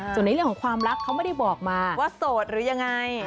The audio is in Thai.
ส่วนในเรื่องของความรักเขาไม่ได้บอกมาว่าโสดหรือยังไง